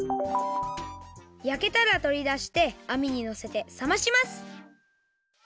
やけたらとりだしてあみにのせてさまします。